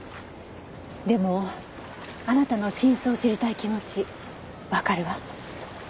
でもあなたの真相を知りたい気持ちわかるわ。